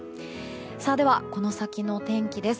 では、この先の天気です。